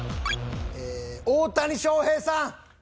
大谷翔平さん！